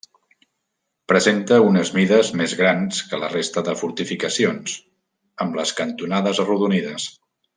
Presenta unes mides més grans que la resta de fortificacions, amb les cantonades arrodonides.